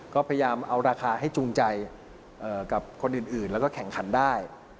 ก็พยายามเอาราคาให้จูงใจกับคนอื่นแล้วก็แข่งขันได้